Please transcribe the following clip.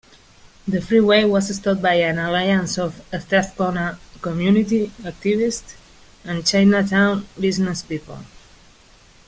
The freeway was stopped by an alliance of Strathcona community activists and Chinatown businesspeople.